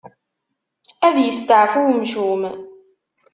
Ad yesteɛfu wemcum.